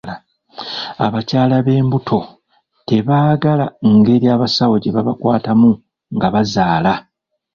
Abakyala b'embuto tebaagala ngeri abasawo gye babakwatamu nga bazaala.